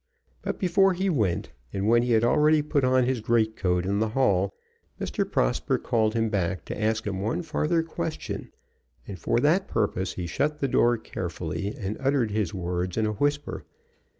But before he went, and when he had already put on his great coat in the hall, Mr. Prosper called him back to ask him one farther question; and for that purpose he shut the door carefully, and uttered his words in a whisper.